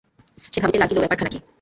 সে ভাবিতে লাগিল, ব্যাপারখানা কী?